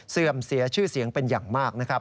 เสื่อมเสียชื่อเสียงเป็นอย่างมากนะครับ